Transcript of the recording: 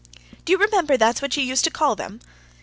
"Do you remember that's what you used to call them?"